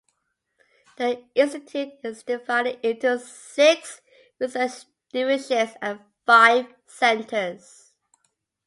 The institute is divided into six research divisions and five centers.